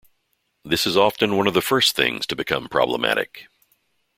This is often one of the first things to become problematic.